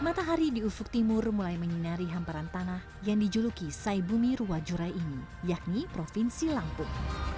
matahari di ufuk timur mulai menyinari hamparan tanah yang dijuluki saibumi ruwajurai ini yakni provinsi lampung